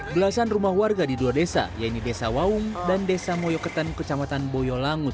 belasan rumah warga di dua desa yaitu desa waung dan desa moyoketan kecamatan boyolangu